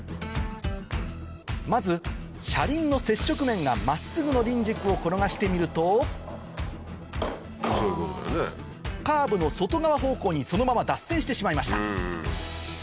まず車輪の接触面が真っすぐの輪軸を転がしてみるとカーブの外側方向にそのまま脱線してしまいました